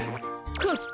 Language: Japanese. フッ。